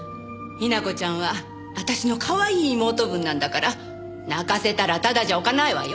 雛子ちゃんは私のかわいい妹分なんだから泣かせたらただじゃおかないわよ。